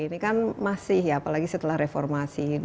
ini kan masih ya apalagi setelah reformasi